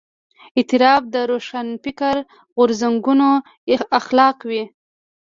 اعتراف د روښانفکره غورځنګونو اخلاق وي.